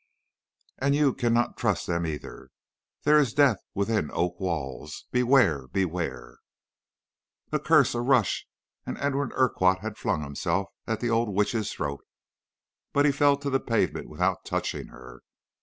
'And you cannot trust them either! There is death within oak walls. Beware! beware!' "A curse, a rush, and Edwin Urquhart had flung himself at the old witch's throat. But he fell to the pavement without touching her.